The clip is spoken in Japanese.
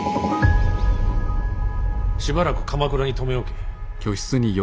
しばらく鎌倉に留め置け。